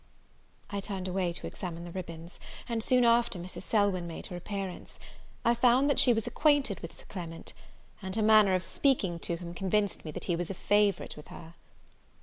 I turned away to examine the ribbons, and soon after Mrs. Selwyn made her appearance. I found that she was acquainted with Sir Clement; and her manner of speaking to him convinced me that he was a favourite with her.